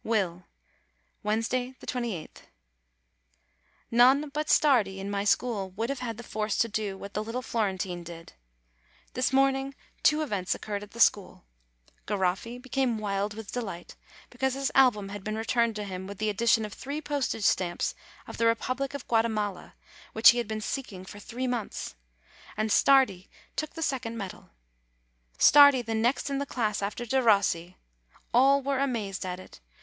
WILL Wednesday, 28th. None but Stardi in my school would have had the force to do what the little Florentine did. This morning two events occurred at the school : Garoffi became wild with delight, because his album had been returned to him, with the addition of three postage stamps of the Republic of Guatemala, which he had been seeking for three months; and Stardi took the second medal. Stardi the next in the class after Derossi! All were amazed at it.